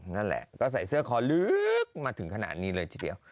นั่นแหละก็ใส่เสื้อคอลึกมาถึงขนาดนี้เลยทีเดียว